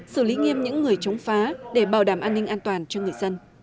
xử lý nghiêm những người chống phá để bảo đảm an ninh an toàn cho người dân